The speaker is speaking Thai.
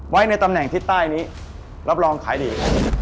ไว้ในตำแหน่งทิศใต้นี้รับรองขายดี